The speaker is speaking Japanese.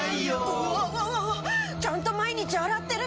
うわわわわちゃんと毎日洗ってるのに。